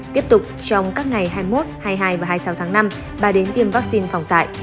tiếp tục trong các ngày hai mươi một hai mươi hai và hai mươi sáu tháng năm bà đến tiêm vaccine phòng dạy